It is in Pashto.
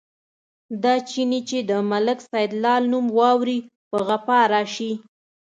دا چيني چې د ملک سیدلال نوم واوري، په غپا راشي.